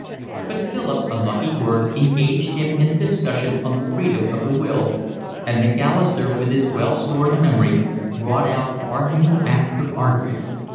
But Philip's unlucky words engaged him in a discussion on the freedom of the will, and Macalister, with his well stored memory, brought out argument after argument.